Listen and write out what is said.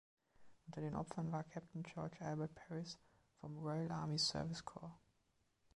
Unter den Opfern war Captain George Albert Perris vom Royal Army Service Corps.